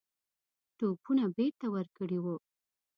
توپونه بیرته ورکړي وه.